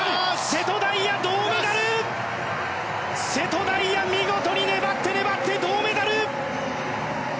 瀬戸大也、見事に粘って粘って銅メダル！